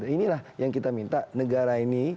inilah yang kita minta negara ini